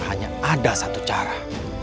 hanya ada satu cara